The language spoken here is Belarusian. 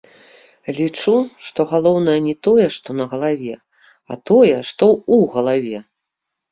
Лічу, што галоўнае не тое, што на галаве, а тое, што ў галаве.